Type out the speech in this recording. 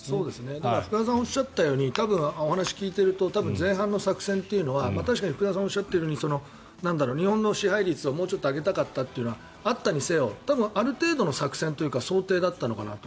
だから福田さんがおっしゃったようにお話を聞いていると多分、前半の作戦というのは福田さんがおっしゃってるように日本の試合率をもうちょっと上げたかったというのはあったにせよある程度の作戦というか想定だったのかなと。